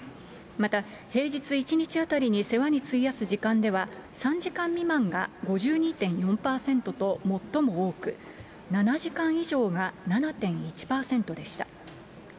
また、平日１日当たりに世話に費やす時間では、３時間未満が５２．４％と最も多く、７時間以上が７．１％でした。